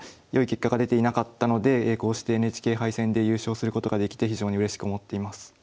良い結果が出ていなかったのでこうしてＮＨＫ杯戦で優勝することができて非常にうれしく思っています。